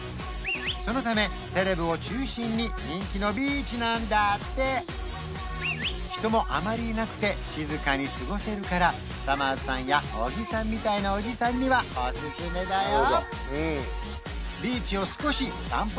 そのためセレブを中心に人気のビーチなんだって人もあまりいなくて静かに過ごせるからさまぁずさんや小木さんみたいなおじさんにはおすすめだよ